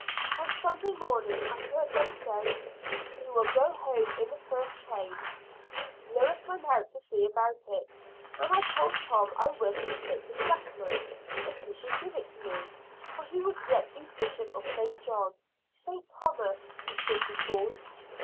On Sunday morning I heard them say, "We will go home in the first train." Lewis went out to see about it, and I told Tom I wished to take the sacrament, and he should give it to me, for he would yet be bishop of St. John "St. Thomas" he should be called.